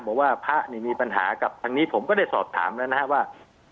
บอกว่าพระนี่มีปัญหากับทางนี้ผมก็ได้สอบถามแล้วนะครับว่า